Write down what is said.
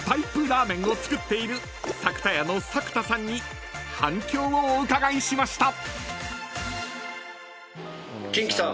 ラーメンを作っている作田家の作田さんに反響をお伺いしました］